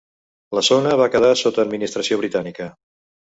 La zona va quedar sota administració britànica.